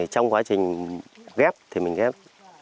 trong quá trình ghép thì mình ghép